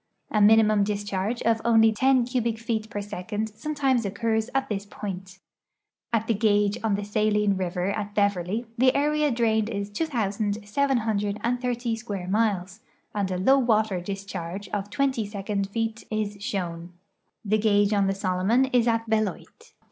A minimum discharge of only 10 cubic feet per second sometimes occurs at this i)oint. At the gauge on the Saline river at Beverly the area drained is 2,730 square miles, and a low water discharge of 20 second feet is shown. The gauge on the Solomon is at Beloit.